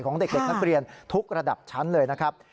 ของเด็กนักเรียนทุกระดับชั้นเลยนะครับ